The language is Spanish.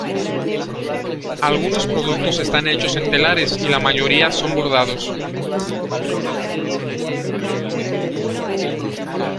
Algunos productos están hechos en telares, y la mayoría son bordados.